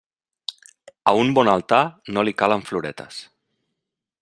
A un bon altar no li calen floretes.